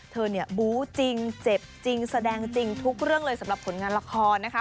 เธอเนี่ยบู้จริงเจ็บจริงแสดงจริงทุกเรื่องเลยสำหรับผลงานละครนะคะ